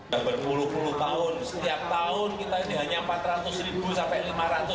berpuluh puluh tahun setiap tahun kita hanya empat ratus sampai lima ratus